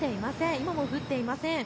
今も降っていません。